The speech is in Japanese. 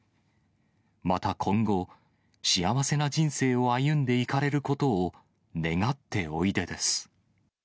また今後、幸せな人生を歩んでいかれることを、願っておいでです。